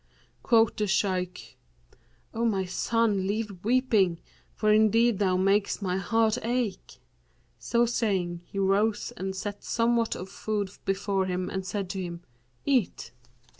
Quoth the Shaykh, 'O my son, leave weeping; for indeed thou makest my heart ache.' So saying, he rose and set somewhat of food before him and said to him, 'Eat.'